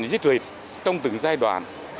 dịch lịch trong từng giai đoạn